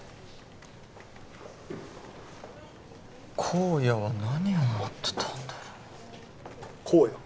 公哉は何を思ってたんだろう公哉？